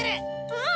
うん！